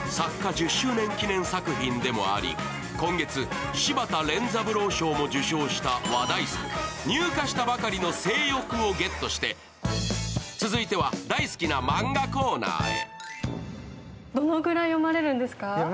１０年記念作品でもあり、今月柴田錬三郎賞も受賞した話題作、入荷したばかりの「正欲」をゲットして続いては大好きな漫画コーナーへ。